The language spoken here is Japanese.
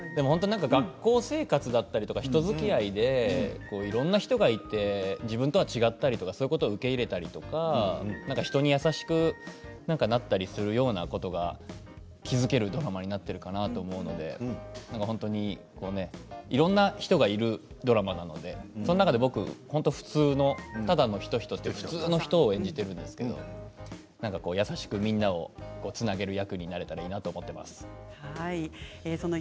学校生活や人づきあいっていろいろな人がいて自分とは違う人を受け入れたりとか人に優しくなったりするようなことが気付けるドラマになっているかなと思うので本当にいろいろな人がいるドラマなのでその中で本当に普通の只野仁人という普通の人を演じているんですけれども優しくみんなをつなげる役になれたらいいなと思っています。